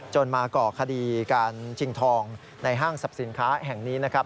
มาก่อคดีการชิงทองในห้างสรรพสินค้าแห่งนี้นะครับ